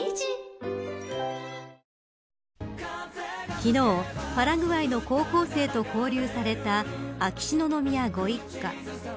昨日パラグアイの高校生と交流された秋篠宮ご一家。